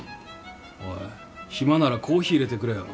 おい暇ならコーヒー入れてくれよ。